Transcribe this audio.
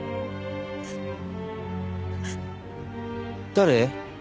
誰？